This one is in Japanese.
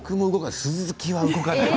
鈴木は動かない。